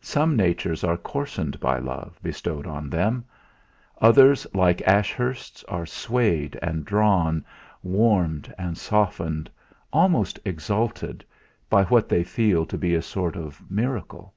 Some natures are coarsened by love bestowed on them; others, like Ashurst's, are swayed and drawn, warmed and softened, almost exalted, by what they feel to be a sort of miracle.